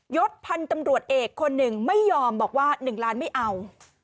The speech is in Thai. ศพันธ์ตำรวจเอกคนหนึ่งไม่ยอมบอกว่า๑ล้านไม่เอา